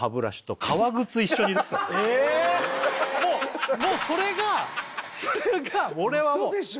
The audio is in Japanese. もうもうそれがそれが俺はもうウソでしょ？